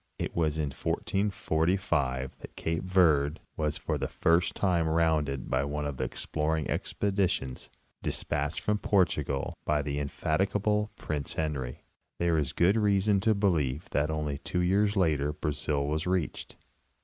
It wagin 1445 that cape Verd was for the first time rounded by one of the exploring expeditions despatched from Portugal by the in defatigable Prince Henry. There is good reason to believe that only two years later Brazil was reached.